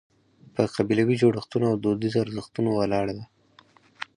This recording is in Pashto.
په قبیلوي جوړښتونو او دودیزو ارزښتونو ولاړه ده.